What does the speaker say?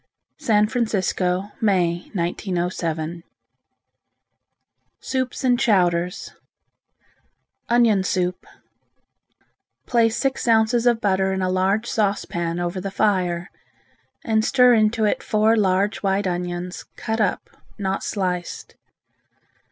San Francisco, May, 1907. SOUPS AND CHOWDERS Onion Soup Place six ounces of butter in a large saucepan over the fire, and stir into it four large white onions cut up, not sliced.